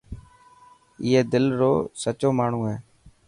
اي دل رو سچو ماڻهو هي.